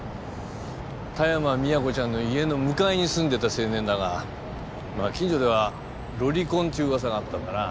田山宮子ちゃんの家の向かいに住んでいた青年だが近所ではロリコンっていう噂があったんだな。